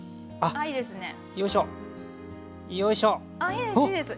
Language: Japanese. いいですいいです。